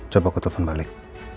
coba aku telfon balik